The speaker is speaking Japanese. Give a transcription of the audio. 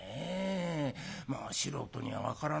まあ素人には分からないけどもさ。